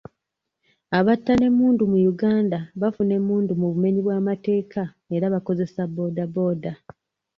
Abatta n'emmundu mu Uganda bafuna emmundu mu bumenyi bw'amateeka era bakoseza booda booda.